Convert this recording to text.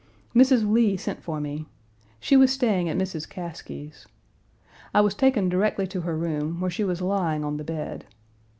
Mrs. Lee sent for me. She was staying at Mrs. Caskie's. I was taken directly to her room, where she was lying on the bed.